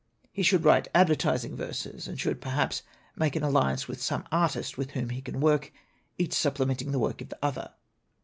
He should write advertising verses, and he should, perhaps, make an alliance with some artist with whom he can work, each supplementing the work of the other."